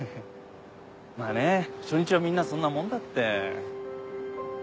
まぁね初日はみんなそんなもんだって。